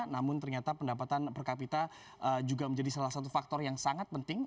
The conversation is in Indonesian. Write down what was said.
namun ternyata pendapatan per kapita juga menjadi salah satu faktor yang sangat penting